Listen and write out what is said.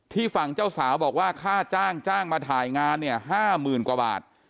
ที่ฝั่งเจ้าสาวบอกว่าข้าจ้างจ้างมาถ่ายงานห้าหมื่นกว่าบาท